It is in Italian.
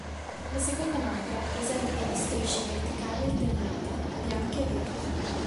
La seconda maglia presenta delle strisce verticali alternate, bianche e verdi.